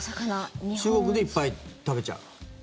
中国でいっぱい食べちゃう。